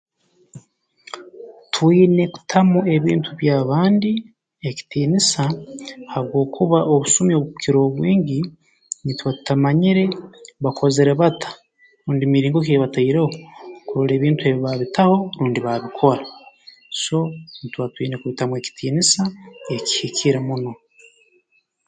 Twina kutamu ebintu bya bandi ekitiinisa habwokuba obusumi obukukira obwingi nituba tutamanyire bakozere bata rundi miringo ki ei bataireho kurora ngu ebintu ebi baabitaho rundi baabikora so ntuba twine kubitamu ekitiinisa ekihikire muno